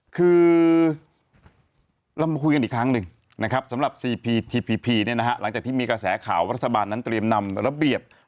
คือเราก็มาคุยกันอีกครั้งหนึ่งนะครับ